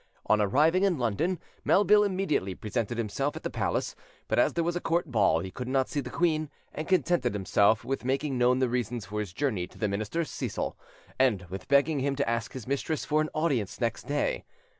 On arriving in London, Melville immediately presented himself at the palace; but as there was a court ball, he could not see the queen, and contented himself with making known the reason for his journey to the minister Cecil, and with begging him to ask his mistress for an audience next day.